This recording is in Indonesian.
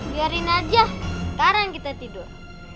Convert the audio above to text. biarin aja sekarang kita tidur